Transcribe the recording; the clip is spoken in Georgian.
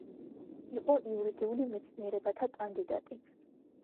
იყო იურიდიული მეცნიერებათა კანდიდატი.